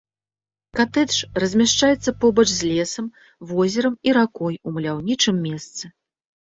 Катэдж размяшчаецца побач з лесам, возерам і ракой у маляўнічым месцы.